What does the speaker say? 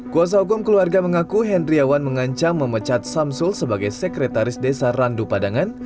kuasa hukum keluarga mengaku hendriawan mengancam memecat samsul sebagai sekretaris desa randu padangan